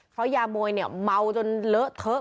เพราะยามวยเนี่ยเมาจนเลอะเทอะ